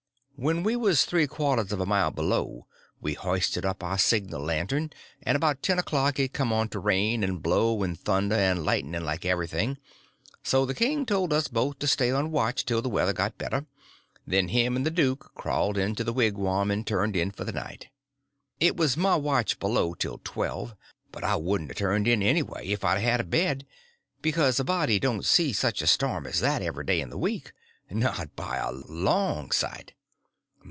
When we was three quarters of a mile below we hoisted up our signal lantern; and about ten o'clock it come on to rain and blow and thunder and lighten like everything; so the king told us to both stay on watch till the weather got better; then him and the duke crawled into the wigwam and turned in for the night. It was my watch below till twelve, but I wouldn't a turned in anyway if I'd had a bed, because a body don't see such a storm as that every day in the week, not by a long sight.